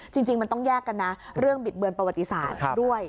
จริงมันต้องแยกกันนะเรื่องบิดเบือนประวัติศาสตร์ด้วย